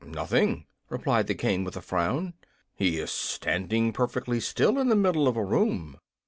"Nothing," replied the King, with a frown. "He is standing perfectly still, in the middle of a room."